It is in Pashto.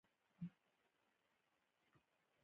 انار د افغانستان د امنیت په اړه هم پوره اغېز لري.